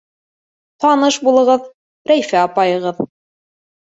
— Таныш булығыҙ — Рәйфә апайығыҙ.